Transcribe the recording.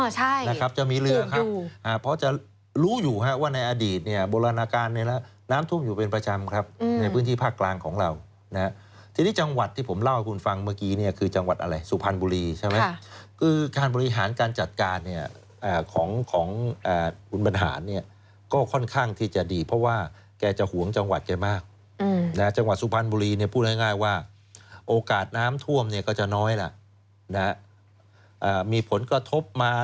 อ๋อใช่อ๋อใช่อ๋อใช่อ๋อใช่อ๋อใช่อ๋อใช่อ๋อใช่อ๋อใช่อ๋อใช่อ๋อใช่อ๋อใช่อ๋อใช่อ๋อใช่อ๋อใช่อ๋อใช่อ๋อใช่อ๋อใช่อ๋อใช่อ๋อใช่อ๋อใช่อ๋อใช่อ๋อใช่อ๋อใช่อ๋อใช่อ๋อใช่อ๋อใช่อ๋อใช่อ๋อใช่อ๋อใช่อ๋อใช่อ๋อใช่อ๋อ